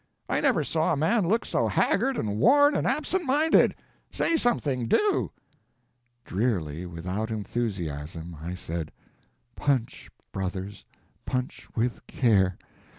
I never saw a man look so haggard and worn and absent minded. Say something, do!" Drearily, without enthusiasm, I said: "Punch brothers, punch with care!